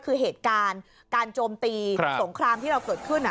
คือเหตุการณ์การโจมตีสงครามที่เราเกิดขึ้น